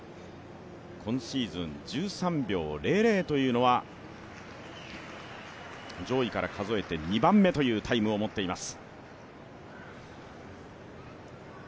今シーズン１３秒００というのは上位から数えて２番目というタイムを持っています